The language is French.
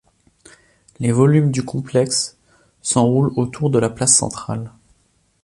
Les volumes du complexe s'enroulent autour de la place centrale.